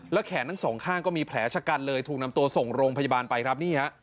แขนทั้งสองข้างก็มีแผลชะกันเลยถูกนำตัวส่งโรงพยาบาลไปครับนี่ฮะ